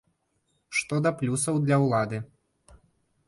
Што да плюсаў для ўлады.